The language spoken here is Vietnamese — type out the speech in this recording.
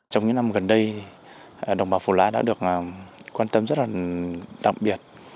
trong những năm gần đây đồng bào phù lá đã được quan tâm rất là đặc biệt